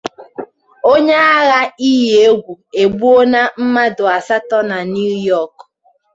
Onye agha ịyi egwu egbuona mmadụ asatọ na New York